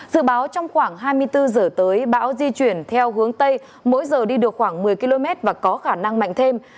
dự báo trong khoảng hai mươi bốn giờ tới bão di chuyển theo hướng tây mỗi giờ đi được khoảng một mươi km và có khả năng mạnh thêm